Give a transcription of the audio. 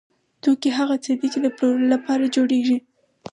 توکي هغه څه دي چې د پلورلو لپاره جوړیږي.